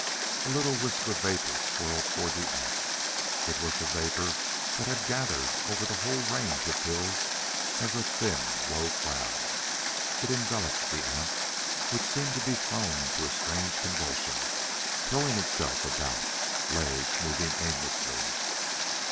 A little wisp of vapor swirled toward the ant. It was the vapor that had gathered over the whole range of hills as a thin, low cloud. It enveloped the ant which seemed to be thrown into a strange convulsion, throwing itself about, legs moving aimlessly.